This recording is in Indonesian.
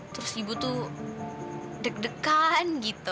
terus ibu tuh deg degan gitu